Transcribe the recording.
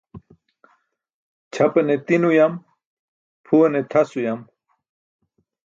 Ćʰapane tin uyam, phuwane tʰas uyam.